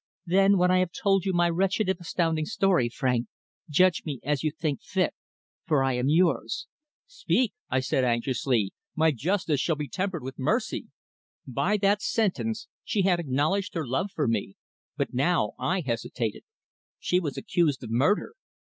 "Then, when I have told you my wretched if astounding story, Frank, judge me as you think fit for I am yours." "Speak!" I said anxiously. "My justice shall be tempered with mercy." By that sentence she had acknowledged her love for me, but now I hesitated. She was accused of murder.